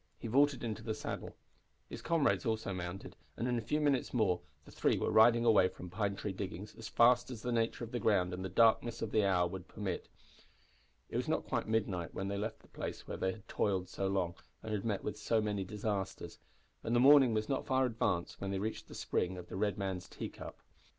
He vaulted into the saddle. His comrades also mounted, and in a few minutes more the three were riding away from Pine Tree Diggings as fast as the nature of the ground and the darkness of the hour would permit. It was not quite midnight when they left the place where they had toiled so long, and had met with so many disasters, and the morning was not far advanced when they reached the spring of the Red Man's Teacup.